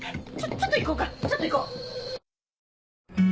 ちょっと行こうかちょっと行こう！